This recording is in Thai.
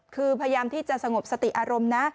คือพยายามที่จะสงบสติอารมณ์นะ